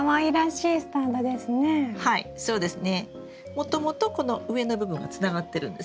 もともとこの上の部分がつながってるんですね。